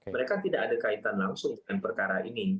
mereka tidak ada kaitan langsung dengan perkara ini